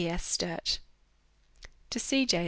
P. S. STURT. To C. J.